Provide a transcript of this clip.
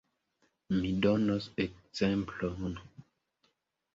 Mi donos ekzemplon.